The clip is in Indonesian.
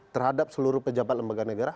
terhadap seluruh pejabat lembaga negara